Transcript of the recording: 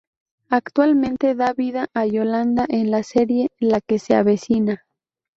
Actualmente da vida a Yolanda en la serie "La que se avecina".